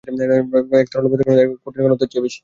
এর তরল অবস্থার ঘনত্ব এর কঠিন অবস্থার ঘনত্বের চেয়ে বেশি।